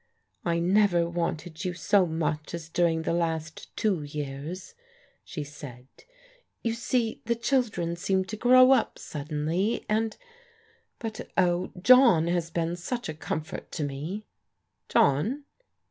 " I never wanted you so much as during the last two years," she said. " You see the children seemed to grow up suddenly, and — ^but oh, John has been such a comfort to me !" "John?"